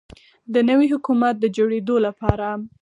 د نوي حکومت د جوړیدو لپاره